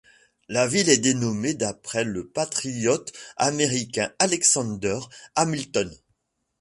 La ville est dénommée d'après le patriote américain Alexander Hamilton.